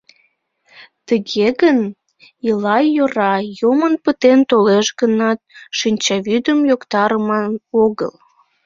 Тыге гын, ила — йӧра, йомын пытен толеш гынат, шинчавӱдым йоктарыман огыл.